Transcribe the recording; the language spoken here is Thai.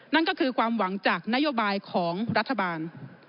นั่นก็คือความหวังจากนโยบายของรัฐบาล